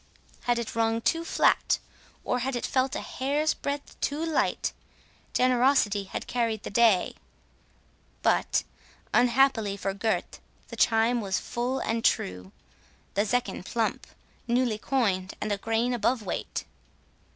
Had it rung too flat, or had it felt a hair's breadth too light, generosity had carried the day; but, unhappily for Gurth, the chime was full and true, the zecchin plump, newly coined, and a grain above weight.